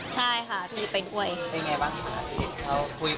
ใช่ค่ะพี่เป็นด้วย